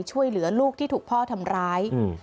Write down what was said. ช่วยเหลือลูกที่ถูกพ่อทำร้าย